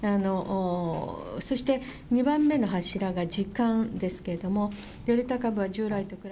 そして２番目の柱が時間ですけれども、デルタ株は。